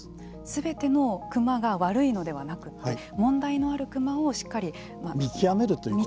すべてのクマが悪いのではなくて問題のあるクマをしっかりと見極める。